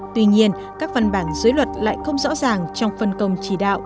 tuy nhiên các văn bản dưới luật lại không rõ ràng trong phân công chỉ đạo